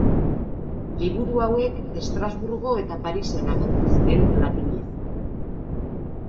Liburu hauek Estrasburgo eta Parisen agertu ziren, latinez.